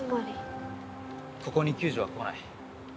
ここに救助は来ない。